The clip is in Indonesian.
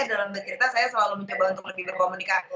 dalam bercerita saya selalu mencoba untuk lebih komunikatif gitu istilahnya